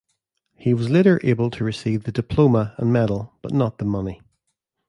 He was later able to receive the diploma and medal but not the money.